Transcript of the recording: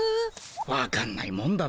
わかんないもんだな。